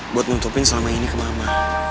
buat nutupin selama ini ke mama